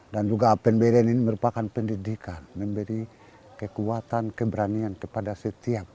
dan juga apen bayeren ini merupakan pendidikan memberi kekuatan keberanian kepada setiap orang